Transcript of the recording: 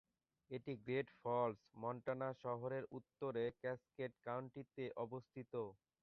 এটি Great Falls, Montana শহরের উত্তরে ক্যাসকেড কাউন্টিতে অবস্থিত।